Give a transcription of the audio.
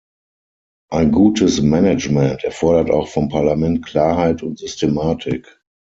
Ein gutes Management erfordert auch vom Parlament Klarheit und Systematik.